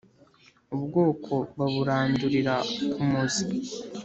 ubwoko baburandurira ku muzi